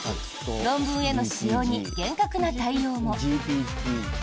論文への使用に厳格な対応も。